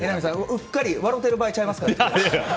うっかり笑ってる場合ちゃいますからね。